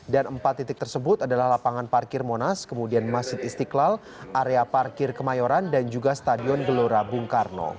dan empat titik tersebut adalah lapangan parkir monas kemudian masjid istiqlal area parkir kemayoran dan juga stadion gelora bung karno